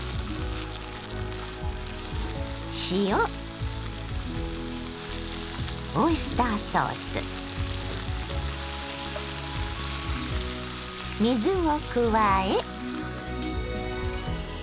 塩オイスターソース水を加え。